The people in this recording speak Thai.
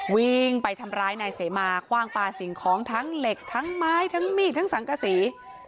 วิ่งไปทำร้ายนายเสมาคว่างปลาสิ่งของทั้งเหล็กทั้งไม้ทั้งมีดทั้งสังกษี